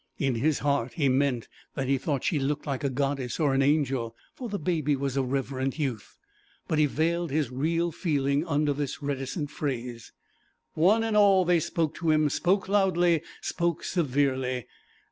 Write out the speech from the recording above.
In his heart he meant that he thought she looked like a goddess or an angel (for the Baby was a reverent youth), but he veiled his real feeling under this reticent phrase. One and all they spoke to him, spoke loudly, spoke severely.